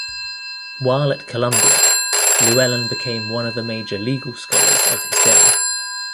While at Columbia, Llewellyn became one of the major legal scholars of his day.